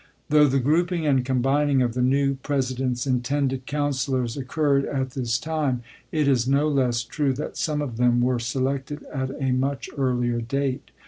Though the grouping and combining of the new President's intended councilors occurred at this time, it is no less true that some of them were selected at a much earlier date.